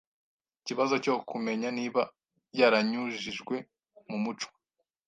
Ikibazo cyo kumenya niba yaranyujijwe mu muco